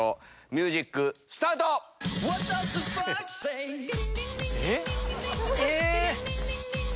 ミュージックスタート！え！